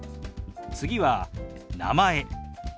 次は「名前」。